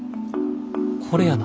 これやな。